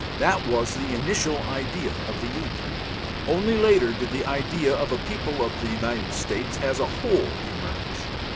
That was the initial idea of the union. Only later did the idea of a people of the States as a whole emerge.